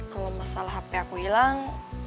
kalau masalah hp aku hilang